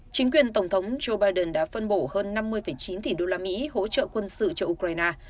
chính quyền tổng thống joe biden đã phân bổ hơn năm mươi chín tỷ đô la mỹ hỗ trợ quân sự cho ukraine